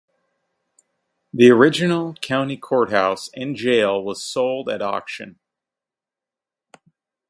The original County Courthouse and Jail was sold at auction.